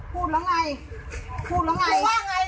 พูดแล้วไง